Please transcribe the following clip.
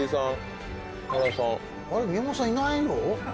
宮本さんいないよ。